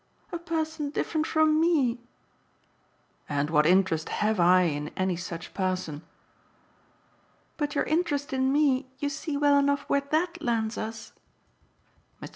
"A person different from ME!" "And what interest have I in any such person?" "But your interest in me you see well enough where THAT lands us." Mr.